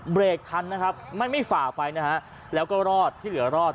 เบรกทันนะครับไม่ไม่ฝ่าไปนะฮะแล้วก็รอดที่เหลือรอด